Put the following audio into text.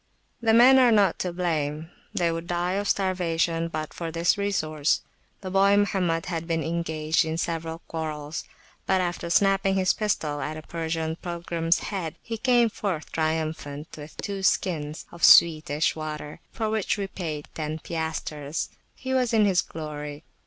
The men are not to blame; they would die of starvation but for this resource. The boy Mohammed had been engaged in several quarrels; but after [p.67] snapping his pistol at a Persian pilgrims head, he came forth triumphant with two skins of sweetish water, for which we paid ten piastres. He was in his glory.